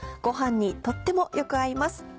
ご飯にとってもよく合います